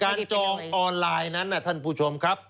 จองออนไลน์นั้นท่านผู้ชมครับ